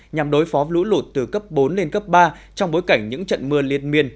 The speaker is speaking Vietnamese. nhằm đối phó lũ lụt từ cấp bốn lên cấp ba trong bối cảnh những trận mưa liên miên